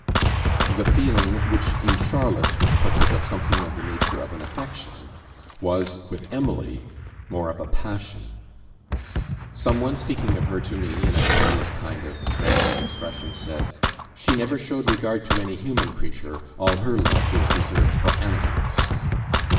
The feeling, which in Charlotte partook of something of the nature of an affection, was, with Emily, more of a passion. Some one speaking of her to me, in a careless kind of strength of expression, said, "she never showed regard to any human creature; all her love was reserved for animals."